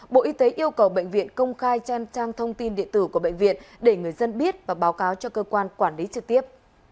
bộ y tế yêu cầu bệnh viện công khai trên trang thông tin địa tử của bệnh viện để người dân biết và báo cáo cho cơ quan quản lý trực tiếp